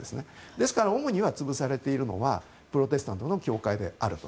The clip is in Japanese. ですから主に潰されているのはプロテスタントの教会であると。